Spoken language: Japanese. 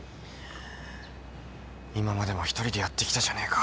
今までも一人でやってきたじゃねえか。